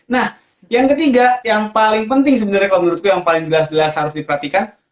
nah yang ketiga yang paling penting sebenarnya kalau menurutku yang paling jelas jelas harus diperhatikan